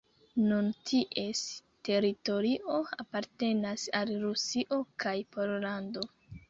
Nun ties teritorio apartenas al Rusio kaj Pollando.